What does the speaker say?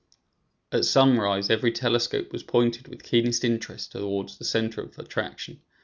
At sunrise every telescope was pointed with keenest interest towards the center of attraction.